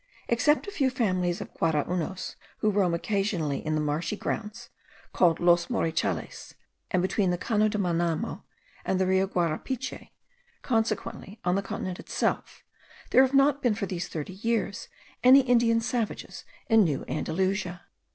Except a few families of Guaraunos who roam occasionally in the marshy grounds, called Los Morichales, and between the Cano de Manamo and the Rio Guarapiche, consequently, on the continent itself, there have not been for these thirty years, any Indian savages in New Andalusia.